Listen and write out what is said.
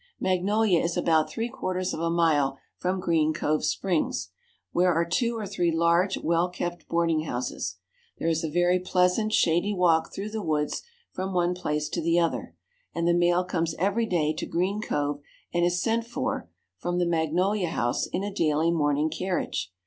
Magnolia is about three quarters of a mile from Green Cove Springs, where are two or three large, well kept boarding houses. There is a very pleasant, shady walk through the woods from one place to the other; and the mail comes every day to Green Cove, and is sent for, from the Magnolia House, in a daily morning carriage.